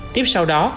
tiếp sau đó